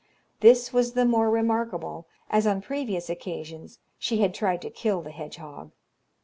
This was the more remarkable, as on previous occasions she had tried to kill the hedgehog.